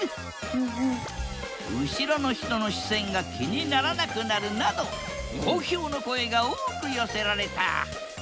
後ろの人の視線が気にならなくなるなど好評の声が多く寄せられた。